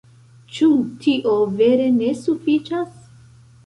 Ĉu tio vere ne sufiĉas?